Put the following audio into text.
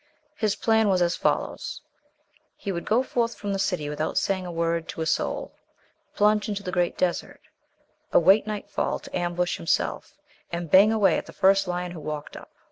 His plan was as follows: he would go forth from the city without saying a word to a soul, plunge into the great desert, await nightfall to ambush himself, and bang away at the first lion who walked up.